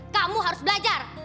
kamu harus belajar